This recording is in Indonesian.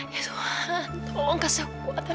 ya tuhan tolong kasih kuatan